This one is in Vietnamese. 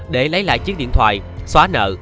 để lấy lại chiếc điện thoại xóa nợ